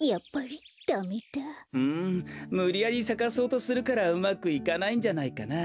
むりやりさかそうとするからうまくいかないんじゃないかな？